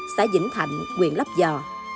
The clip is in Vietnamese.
xã vĩnh thạnh quyền lắp giò